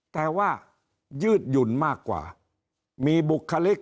แต่ว่ายืดหยุ่นมากกว่ามีบุคลิก